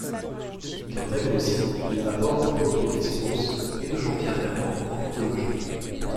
Il intègre aussi les apports de Claude Lévi-Strauss et de Jean-Pierre Vernant en mythologie.